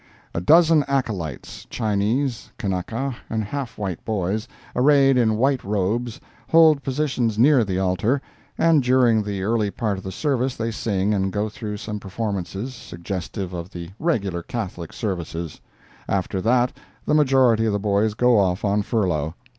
A dozen acolytes—Chinese, Kanaka and half white boys, arrayed in white robes, hold positions near the altar, and during the early part of the service they sing and go through some performances suggestive of the regular Catholic services; after that, the majority of the boys go off on furlough.